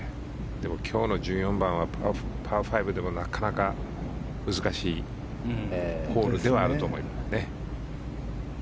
今日の１４番はパー５でもなかなか難しいホールではあると思いますね。